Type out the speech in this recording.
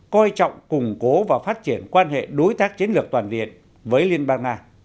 coi trọng củng cố và phát triển quan hệ đối tác chiến lược toàn diện với liên bang nga